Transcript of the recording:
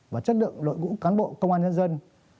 và chất lượng đội ngũ cán bộ công an nhân dân